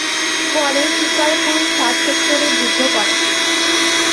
পরে শিকারপুর সাব সেক্টরে যুদ্ধ করেন।